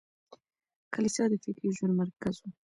کليسا د فکري ژوند مرکز و.